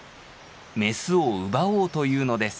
メスを奪おうというのです。